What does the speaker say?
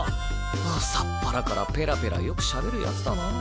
朝っぱらからペラペラよくしゃべる奴だなぁ。